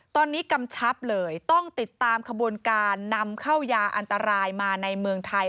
ตอนนี้กำชับเลยต้องติดตามขบวนการนำเข้ายาอันตรายมาในเมืองไทย